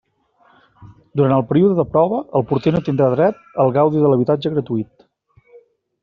Durant el període de prova el porter no tindrà dret al gaudi de l'habitatge gratuït.